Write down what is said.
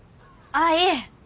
ああいえ。